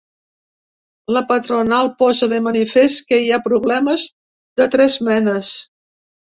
La patronal posa de manifest que hi ha problemes de tres menes.